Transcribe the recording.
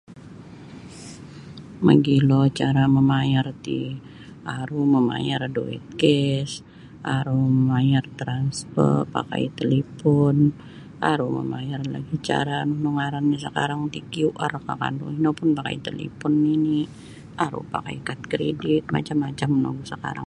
Mogilo cara mamayar ti aru mamayar duit cash aru mamayar transfer pakai talipon aru mamayar lagi cara nunu ngarannyo sekarang ti QR kah kandu ino pun pakai talipon nini aru pakai kat kredit macam-macam nogu sekarang.